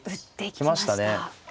行きましたね。